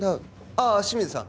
ああ清水さん